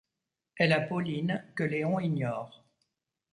Elle a Pauline, que Léon ignore.